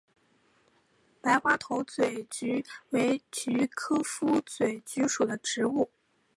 白花头嘴菊为菊科头嘴菊属的植物。